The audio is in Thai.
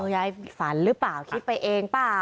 ยายฝันหรือเปล่าคิดไปเองเปล่า